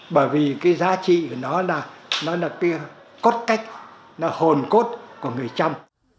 bởi vì cái giá trị của nó là cái cốt cách là hồn cốt của người trăm